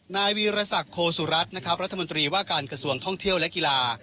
นายวีรศักดิ์โคสุรัตน์นะครับรัฐมนตรีว่าการกระทรวงท่องเที่ยวและกีฬา